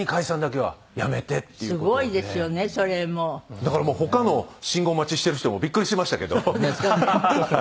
だからもう他の信号待ちしてる人もビックリしてましたけどはい。